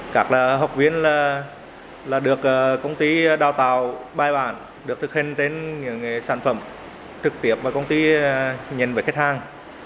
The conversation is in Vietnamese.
các học viên được công ty đào tạo bài bản được thực hiện trên những sản phẩm trực tiếp mà công ty nhận với khách hàng